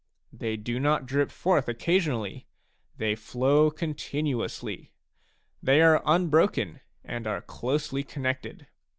They do not drip forth occasionally ; they flow continuously. They are unbroken and are closely connected.